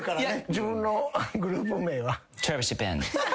自分のグループ名は？